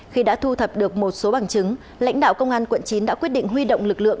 khi đã thu thập được một số bằng chứng lãnh đạo công an quận chín đã quyết định huy động lực lượng